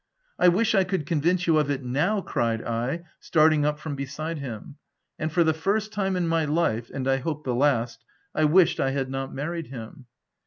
" I wish I could convince you of it now !" cried I, starting up from beside him ; and for the first time in my life, and I hope the last, I wished I had not married him.